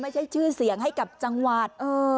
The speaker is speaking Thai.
ไม่ใช่ชื่อเสียงให้กับจังหวัด